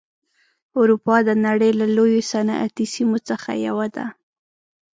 اروپا د نړۍ له لویو صنعتي سیمو څخه یوه ده.